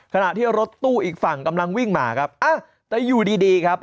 ขณะที่รถตู้อีกฝั่งกำลังวิ่งมาครับแต่อยู่ดีดีครับ